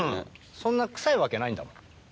そんな臭いわけないんだもん。